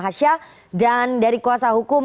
hasyah dan dari kuasa hukum